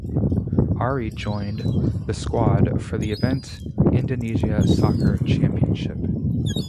Arie joined the squad for the event Indonesia Soccer Championship.